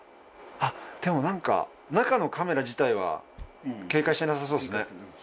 でも中のカメラ自体は警戒してなさそうっすね。